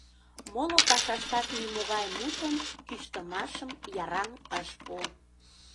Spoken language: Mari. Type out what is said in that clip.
Моло пашаштат нимогай мутым, кӱштымашым Яраҥ ыш пу.